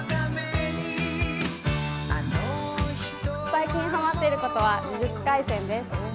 最近ハマっていることは「呪術廻戦」です。